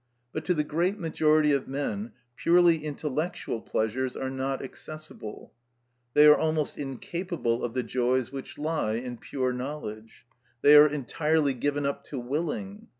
But to the great majority of men purely intellectual pleasures are not accessible. They are almost quite incapable of the joys which lie in pure knowledge. They are entirely given up to willing.